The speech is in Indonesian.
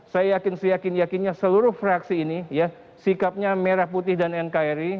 saya yakin seyakin yakinnya seluruh fraksi ini ya sikapnya merah putih dan nkri